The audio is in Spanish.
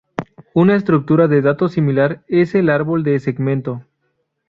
Una estructura de datos similar es el árbol de segmento.